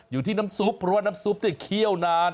อยู่ที่น้ำซุปเพราะว่าน้ำซุปเคี่ยวนาน